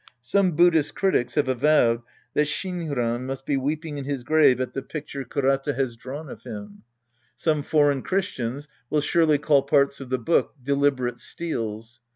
Some Buddhist critics have avowed that Shinran must be weeping in his grave at the picture IV INTRODUCTION Kurata has drawn of him. Some foreign Christians will surely call parts of the book deliberate steals.